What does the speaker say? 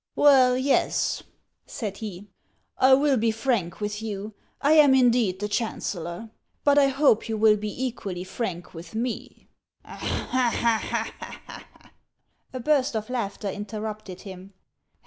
"Well, yes," said he, "I will be frank with you; I am indeed the chancellor. But I hope you will be equally frank with me." A burst of laughter interrupted him.